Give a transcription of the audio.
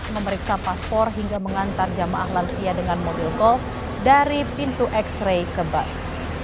memeriksa paspor hingga mengantar jamaah lansia dengan mobil golf dari pintu x ray ke bus